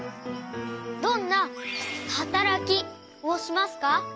どんなはたらきをしますか？